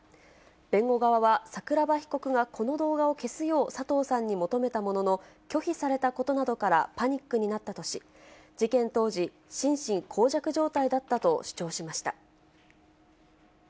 弁護側は、桜庭被告がこの動画を消すよう佐藤さんに求めたものの、拒否されたことなどからパニックになったとし、事件当時、心神耗弱状態だったと主張しました。